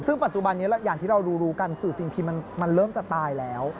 ซึ่งปัจจุบันนี้อย่างที่เรารู้กันสื่อสิ่งพิมพ์มันเริ่มจะตายแล้ว